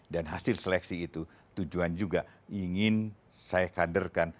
dan hasil seleksi itu tujuan juga ingin saya kaderkan